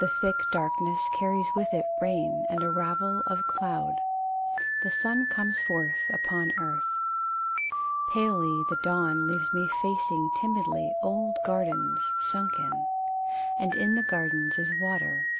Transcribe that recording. The thick darkness carries with it Rain and a ravel of cloud. The sun comes forth upon earth. Palely the dawn Leaves me facing timidly Old gardens sunken: And in the gardens is water.